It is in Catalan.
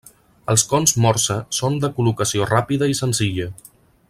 Els cons Morse són de col·locació ràpida i senzilla.